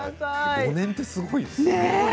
５年ってすごいですね。